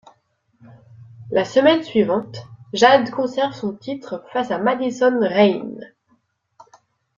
La semaine suivante, Jade conserve son titre face à Madison Rayne.